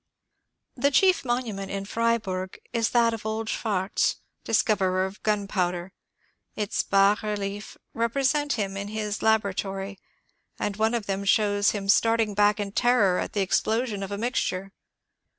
The chief monument in Freiburg is that of old Schwartz, discoverer of gunpowder. Its bas reliefs represent him in his laboratory, and one of them shows him starting back in terror at the explosion of a mixture.